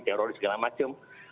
teroris segala macam